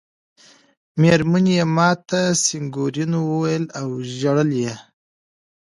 مېرمنې یې ما ته سېګنورینو وویل او ژړل یې.